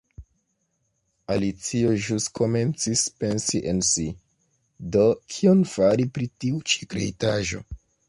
Alicio ĵus komencis pensi en si "Do, kion fari pri tiu ĉi kreitaĵo?"